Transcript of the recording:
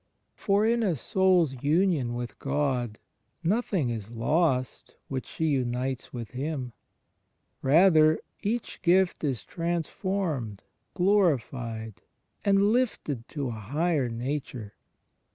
For in a soul's union with God nothing is lost which she imites with Him. Rather, each gift is transformed, glorified, and lifted to a higher nature.